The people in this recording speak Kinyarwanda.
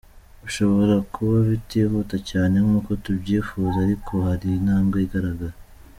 Bishobora kuba bitihuta cyane nk’uko tubyifuza, ariko hari intambwe igaragara.